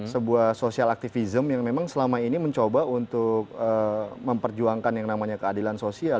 sebuah sosial aktivism yang memang selama ini mencoba untuk memperjuangkan yang namanya keadilan sosial